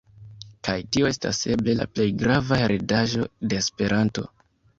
Kaj tio estas eble la plej grava heredaĵo de Esperanto.